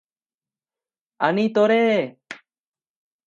Ani Tore!